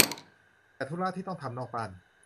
แต่ธุระที่ต้องทำนอกบ้าน